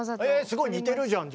すごい似てるじゃん。